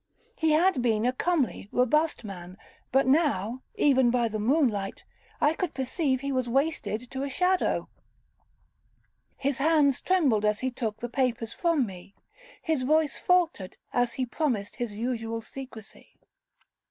He had been a comely, robust man, but now, even by the moon light, I could perceive he was wasted to a shadow,—his hands trembled as he took the papers from me,—his voice faultered as he promised his usual secrecy.